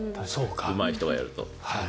うまい人がやると。